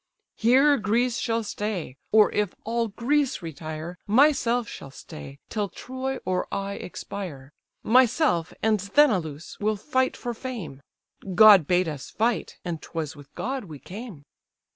Here Greece shall stay; or, if all Greece retire, Myself shall stay, till Troy or I expire; Myself, and Sthenelus, will fight for fame; God bade us fight, and 'twas with God we came."